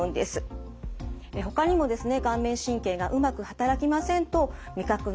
ほかにもですね